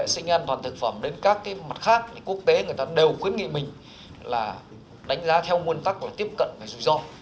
sinh an toàn thực phẩm đến các cái mặt khác quốc tế người ta đều khuyến nghị mình là đánh giá theo nguồn tắc là tiếp cận về rủi ro